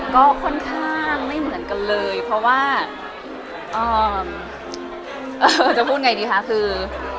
ก็ค่อนข้างไม่เหมือนกันเลยเพราะว่าจะพูดไงดีคะคือ